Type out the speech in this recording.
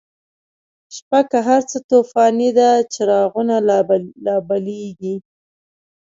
شپه که هر څه توفانی ده، چراغونه لا بلیږی